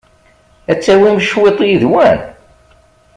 Ad tawim cwiṭ yid-wen?